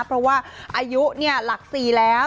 เพราะว่าอายุหลัก๔แล้ว